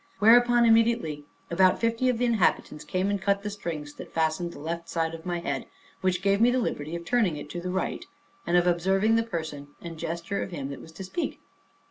Whereupon immediately about fifty of the inhabitants came and cut the strings that fastened the left side of my head, which gave me the liberty of turning it to the right, and of observing the person and gesture of him that was to speak.